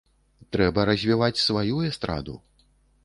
Трэба развіваць сваю эстраду.